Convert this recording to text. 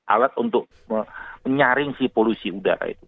alat untuk menyaring si polusi udara itu